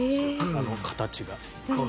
あの形が。